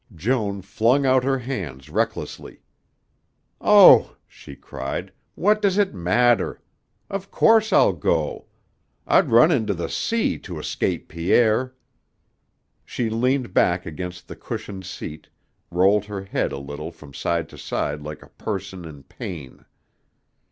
Joan flung out her hands recklessly. "Oh," she cried, "what does it matter? Of course I'll go. I'd run into the sea to escape Pierre " She leaned back against the cushioned seat, rolled her head a little from side to side like a person in pain.